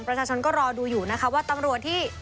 ประชาชนก็รอดูอยู่นะคะว่าตำรวจที่